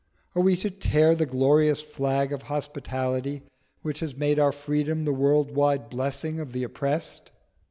Are we to tear the glorious flag of hospitality which has made our freedom the world wide blessing of the oppressed?